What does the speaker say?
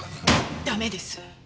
駄目です。